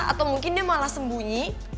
atau mungkin dia malah sembunyi